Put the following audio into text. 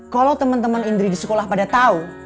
kalau temen temen indri di sekolah pada tau